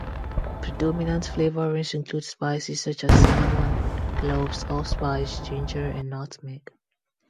Predominant flavorings include spices such as cinnamon, cloves, allspice, ginger and nutmeg.